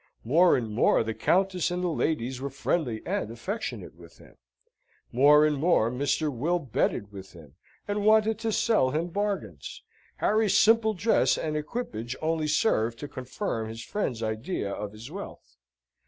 More and more the Countess and the ladies were friendly and affectionate with him. More and more Mr. Will betted with him, and wanted to sell him bargains. Harry's simple dress and equipage only served to confirm his friends' idea of his wealth.